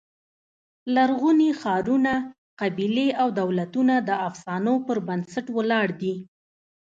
لرغوني ښارونه، قبیلې او دولتونه د افسانو پر بنسټ ولاړ دي.